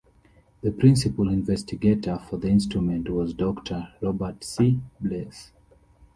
The principal investigator for the instrument was Doctor Robert C. Bless.